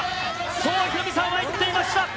そうヒロミさんは言っていました。